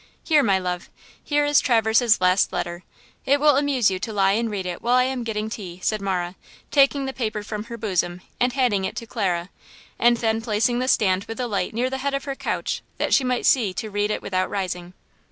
Here, my love; here is Traverse's last letter. It will amuse you to lie and read it while I am getting tea," said Marah, taking the paper from her bosom and handing it to Clara, and then placing the stand with the light near the head of her couch that she might see to read it without rising.